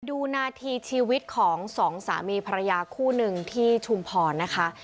ดูนาทีชีวิตของสองสามีภรรยาคู่หนึ่งที่ชุมพรนะคะ